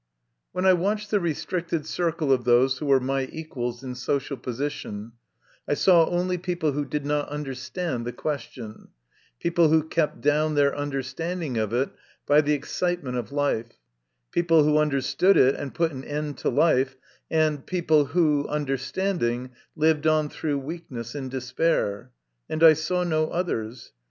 When I watched the restricted circle of those who were my equals in social position, I saw only people who did not understand the question, people who kept down their understanding of it by the excitement of life, people who understood it and put an end to life, and people who, understanding, lived on through weakness, in despair. And I saw no others.